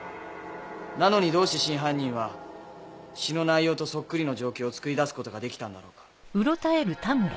なのにどうして真犯人は詩の内容とそっくりの状況をつくり出すことができたんだろうか。